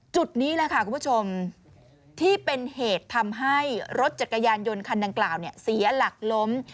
จุดนี้แหละค่ะคุณผู้ชมที่เป็นเหตุทำให้รถจักรยานยนต์คันดังกล่าวเสียหลักล้ม